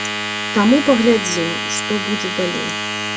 Таму паглядзім, што будзе далей.